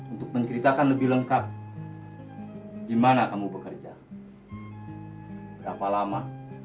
untuk menceritakan lebih lengkap gimana kamu bekerja berapa lama